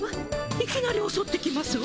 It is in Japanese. いきなりおそってきますわ。